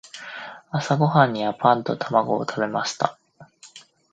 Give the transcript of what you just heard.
朝ごはんにはパンと卵を食べました。